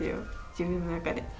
自分の中で。